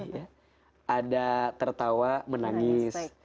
ada sedih ada tertawa menangis